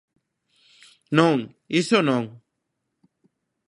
Non, iso non.